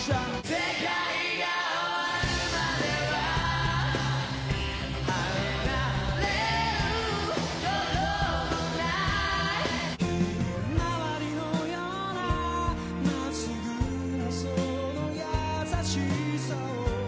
「世界が終わるまでは離れることもない」「ひまわりのようなまっすぐなその優しさを」